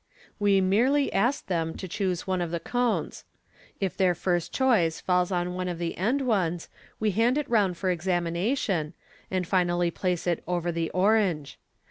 We merely asked them to choose one of the cones. If their first choice falls on one of the enc ones, we hand it round for examination, and finally place it oven the orange.